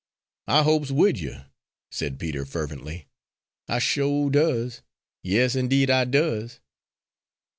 "I hopes wid you," said Peter fervently, "I sho' does! Yas indeed I does."